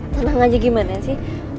tenang aja gimana sih